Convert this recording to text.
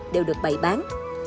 đều được bày bán